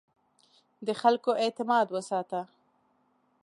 د خلکو اعتماد وساته.